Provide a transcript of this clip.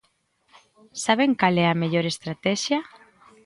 ¿Saben cal é a mellor estratexia?